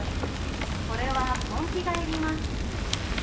これは根気がいります